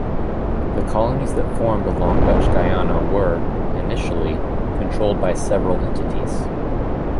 The colonies that formed along Dutch Guiana were, initially, controlled by several entities.